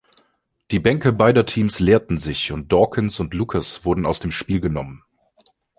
Die Bänke beider Teams leerten sich und Dawkins und Lucas wurden aus dem Spiel genommen.